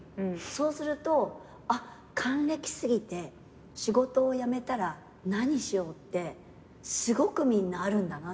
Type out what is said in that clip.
そうすると還暦過ぎて仕事を辞めたら何しようってすごくみんなあるんだな。